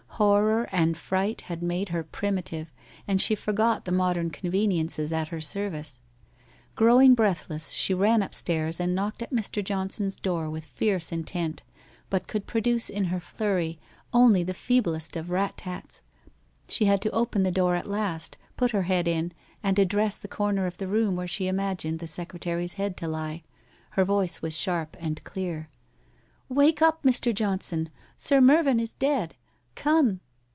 Horror and fright had made her primitive and she forgot the modern conveniences at WHITE ROSE OF WEARY LEAF 33 her service. Growing breathless, she ran upstairs and knocked at Mr. Johnson's door with fierce intent, but could produce in her flurry only the feeblest of rat tats. She had to open the door at last, put her head in, and ad dress the corner of the room where she imagined the sec retary's head to lie. Her voice was sharp and clear. ' "Wake up, Mr. Johnson. Sir Mervyn is dead. Come.'